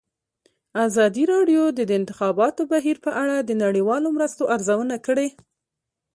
ازادي راډیو د د انتخاباتو بهیر په اړه د نړیوالو مرستو ارزونه کړې.